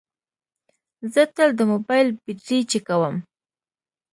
زه تل د موبایل بیټرۍ چیکوم.